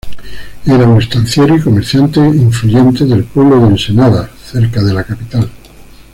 Era un estanciero y comerciante influyente del pueblo de Ensenadas, cerca de la capital.